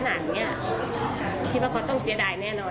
ไม่ได้ทำหล่นเยอะขนาดนี้คิดว่าเขาต้องเสียดายแน่นอนนะครับ